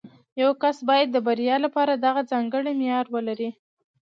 یو کس باید د بریا لپاره دغه ځانګړی معیار ولري